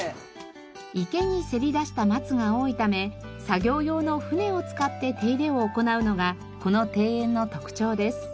池にせり出した松が多いため作業用の舟を使って手入れを行うのがこの庭園の特徴です。